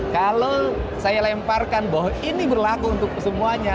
kalau saya lemparkan bahwa ini berlaku untuk semuanya